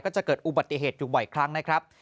จะเกิดอุบัติเหตุอยู่บ่อยครั้งนะครับ